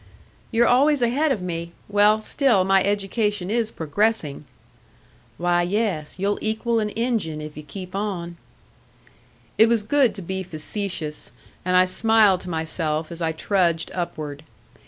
"You're always ahead of me! Well, still my education is progressing." "Why, yes. You'll equal an Injun if you keep on." It was good to be facetious; and I smiled to myself as I trudged upward.